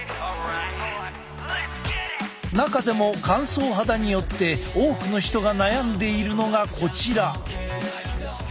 中でも乾燥肌によって多くの人が悩んでいるのがこちら。